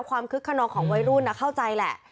คึกขนองของวัยรุ่นเข้าใจแหละ